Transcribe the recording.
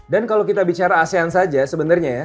dan kalau kita bicara asean saja sebenarnya ya